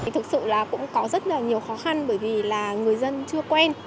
thực sự là cũng có rất là nhiều khó khăn bởi vì là người dân chưa quen